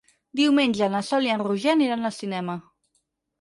Diumenge na Sol i en Roger aniran al cinema.